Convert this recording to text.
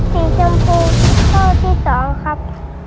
สีชมพูตัวเลือกที่สองครับ